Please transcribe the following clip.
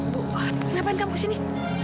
bu kenapa kamu kesini